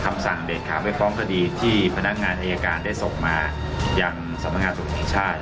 คำสั่งเด็ดขาดไม่ฟ้องคดีที่พนักงานอายการได้ส่งมายังสำหรับงานศูนย์อีกชาติ